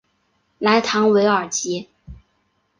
莱唐韦尔吉。